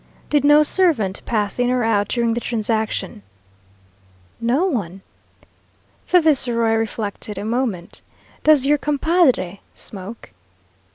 "Did no servant pass in or out during the transaction?" "No one." The viceroy reflected a moment. "Does your compadre smoke?"